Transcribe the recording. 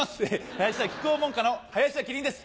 林家木久扇門下の林家希林です